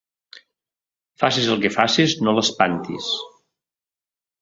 Facis el que facis, no l'espantis.